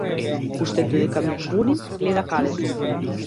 Уште додека ми ѕвони гледа каде сум.